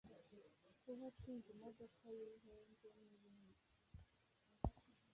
kuba atunze imodoka zihenze n’ ibindi